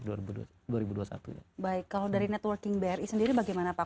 baik kalau dari networking bri sendiri bagaimana pak